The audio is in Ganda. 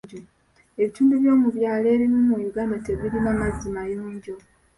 Ebitundu by'omu byalo ebimu mu Uganda tebirina mazzi mayonjo.